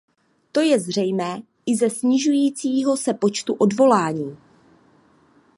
To je zřejmé i ze snižujícího se počtu odvolání.